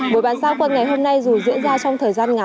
bộ bàn giao quân ngày hôm nay dù diễn ra trong thời gian ngắn